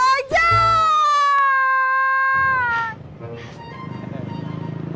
kenapa nangis sih